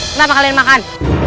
kenapa kalian makan